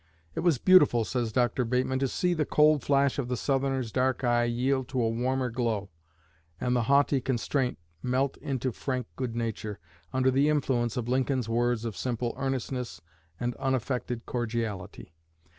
It was beautiful, says Dr. Bateman, to see the cold flash of the Southerner's dark eye yield to a warmer glow, and the haughty constraint melt into frank good nature, under the influence of Lincoln's words of simple earnestness and unaffected cordiality.